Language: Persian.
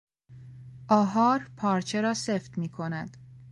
آهار پارچه را سفت میکند.